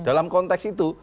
dalam konteks itu